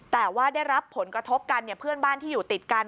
แต่ว่าได้รับผลกระทบกันเนี่ยเพื่อนบ้านที่อยู่ติดกัน